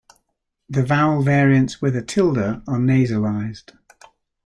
The vowel variants with a tilde are nasalized.